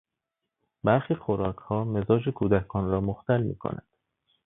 برخی خوراکها مزاج کودکان را مختل میکند.